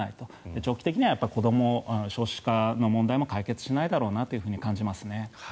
長期的には少子化の問題も解決しないだろうなと感じますね。